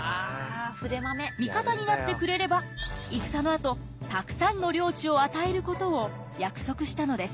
味方になってくれれば戦のあとたくさんの領地を与えることを約束したのです。